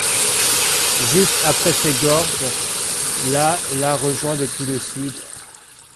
Juste après ces gorges, la la rejoint depuis le sud.